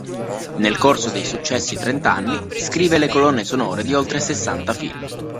Nel corso dei successi trent'anni scrive le colonne sonore di oltre sessanta film.